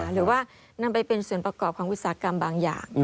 หรือว่านำไปเป็นส่วนประกอบของอุตสาหกรรมบางอย่าง